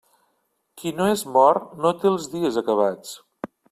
Qui no és mort, no té els dies acabats.